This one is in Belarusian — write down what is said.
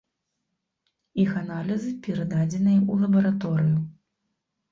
Іх аналізы перададзеныя ў лабараторыю.